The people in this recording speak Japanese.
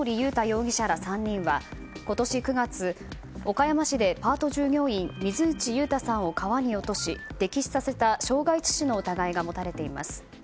容疑者ら３人は今年９月、岡山市でパート従業員、水内悠太さんを川に落とし溺死させた傷害致死の疑いが持たれています。